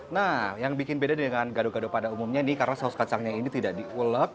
nah yang bikin beda dengan gado gado pada umumnya nih karena saus kacangnya ini tidak diulek